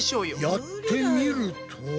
やってみると。